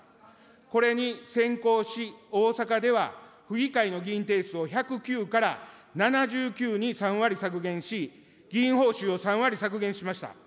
これに先行し、大阪では、府議会の議員定数を１０９から７９に３割削減し、議員報酬を３割削減しました。